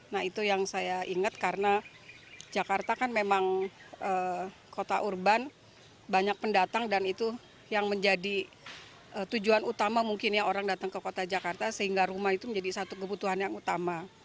nah itu yang saya ingat karena jakarta kan memang kota urban banyak pendatang dan itu yang menjadi tujuan utama mungkin ya orang datang ke kota jakarta sehingga rumah itu menjadi satu kebutuhan yang utama